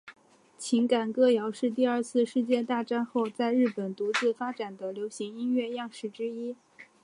情感歌谣是第二次世界大战后在日本独自发展的流行音乐样式之一。